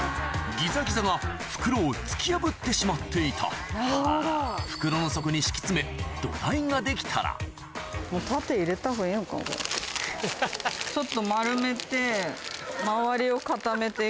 ギザギザが袋を突き破ってしまっていた袋の底に敷き詰めと言うとなっ。